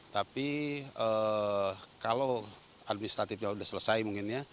tapi kalau administratifnya sudah selesai mungkinnya